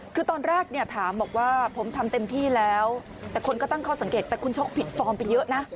คือตอนแรกเนี่ยถามบอกว่าผมทำเต็มที่แล้วแต่คนก็ตั้งข้อสังเกตแต่คุณชกผิดฟอร์มไปเยอะนะ